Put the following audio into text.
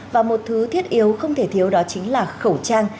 và một thứ thiết yếu không thể thiếu đó chính là khẩu trang